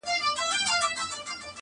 پر سوځېدلو ونو-